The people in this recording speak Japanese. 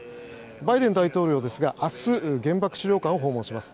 バイデン大統領ですが、明日原爆資料館を訪問します。